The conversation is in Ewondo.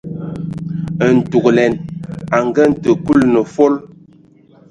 Ntugəlɛn o ngənə təg kulɛn fol.